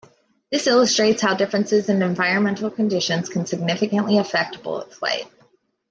This illustrates how differences in environmental conditions can significantly affect bullet flight.